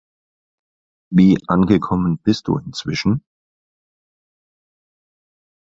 Wie angekommen bist du inzwischen?